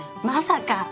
まさか。